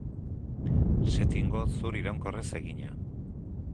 Setingo zur iraunkorrez egina.